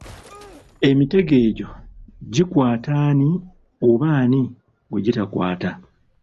Emitego egyo gikwata ani oba ani gwe gitakwata?